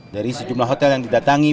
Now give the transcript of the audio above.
dari sejumlah hotel yang didatangi